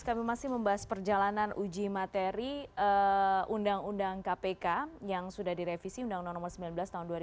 kami masih membahas perjalanan uji materi undang undang kpk yang sudah direvisi undang undang nomor sembilan belas tahun dua ribu dua